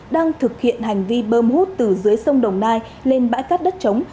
đang thực hiện hành vi bơm hút từ dưới sông đồng nai lên bãi cát đất chống